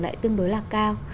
lại tương đối là cao